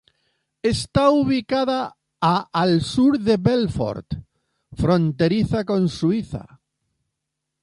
Está ubicada a al sur de Belfort, fronteriza con Suiza.